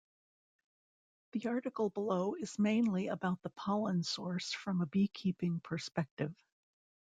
The article below is mainly about the pollen source from a beekeeping perspective.